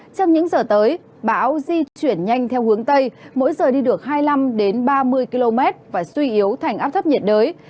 trong những giờ tới bão di chuyển nhanh theo hướng tây mỗi giờ đi được hai mươi năm ba mươi km và suy yếu thành áp thấp nhiệt đới